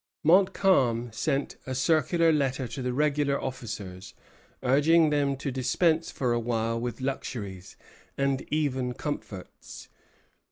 Bougainville, Journal. Montcalm sent a circular letter to the regular officers, urging them to dispense for a while with luxuries, and even comforts.